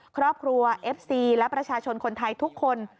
ครอบครัวเอฟซีและประชาชนคนไทยทุกคน